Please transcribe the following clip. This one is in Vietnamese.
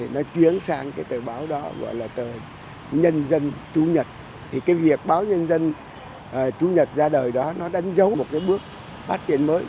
nhân dân chú nhật thì cái việc báo nhân dân chú nhật ra đời đó nó đánh dấu một cái bước phát triển mới